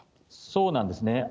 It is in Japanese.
そうなんですね。